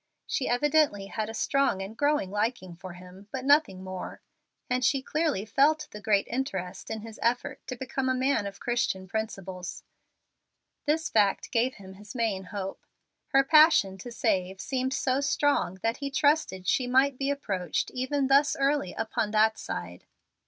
She evidently had a strong and growing liking for him, but nothing more, and she clearly felt the great interest in his effort to become a man of Christian principles. This fact gave him his main hope. Her passion to save seemed so strong that he trusted she might be approached even thus early upon that side.